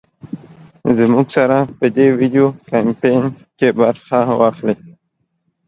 زمونږ سره په دې وېډيو کمپين کې برخه واخلۍ